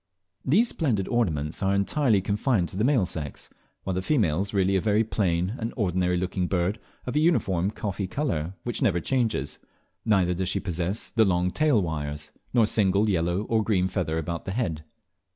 These splendid ornaments are entirely confined to the male sex, while the female is really a very plain and ordinary looking bird of a uniform coffee brown colour which never changes, neither does she possess the long tail wires, nor a single yellow or green feather about the dead.